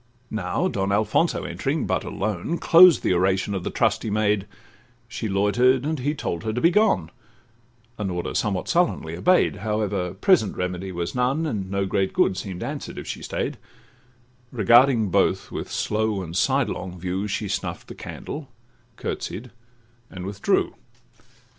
Now, Don Alfonso entering, but alone, Closed the oration of the trusty maid: She loiter'd, and he told her to be gone, An order somewhat sullenly obey'd; However, present remedy was none, And no great good seem'd answer'd if she stay'd: Regarding both with slow and sidelong view, She snuff'd the candle, curtsied, and withdrew.